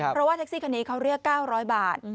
เพราะว่าแท็กซี่คันนี้เขาเรียก๙๐๐บาท